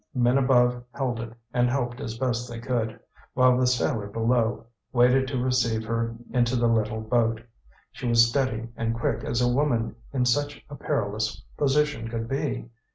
Men above held it and helped as best they could, while the sailor below waited to receive her into the little boat. She was steady and quick as a woman in such a perilous position could be.